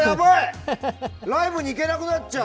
ライブに行けなくなっちゃう！